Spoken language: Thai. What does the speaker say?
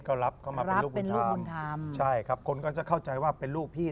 ก็รับเข้ามาเป็นลูกบุญธรรมใช่ครับคนก็จะเข้าใจว่าเป็นลูกพี่